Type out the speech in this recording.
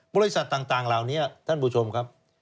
บริษัทต่างเหล่านี้ท่านผู้ชมครับ